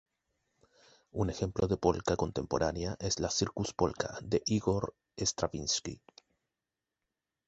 Un ejemplo de polka contemporánea es la "circus polka" de Ígor Stravinski.